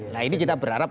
nah ini kita berharap